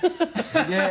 すげえ。